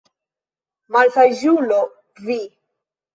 Malsaĝulo vi!